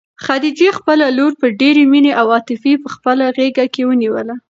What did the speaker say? خدیجې خپله لور په ډېرې مینې او عاطفې په خپله غېږ کې ونیوله.